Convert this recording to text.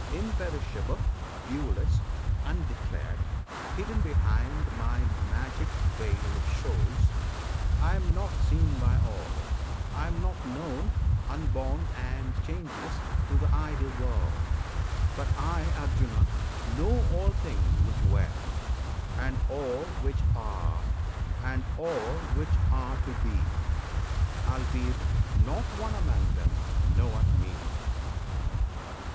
Imperishable, viewless, undeclared, Hidden behind my magic veil of shows, I am not seen by all; I am not known Unborn and changeless to the idle world. But I, Arjuna! know all things which were, And all which are, and all which are to be, Albeit not one among them knoweth Me!